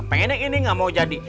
pengennya ini gak mau jadi